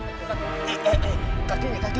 eh eh eh kaki kaki